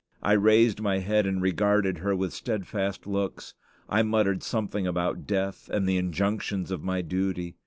I raised my head and regarded her with steadfast looks. I muttered something about death, and the injunctions of my duty.